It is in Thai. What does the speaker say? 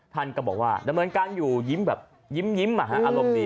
ท่านก็บอกว่าแล้วในการอยู่ยิ้มยิ้มมหาลมดี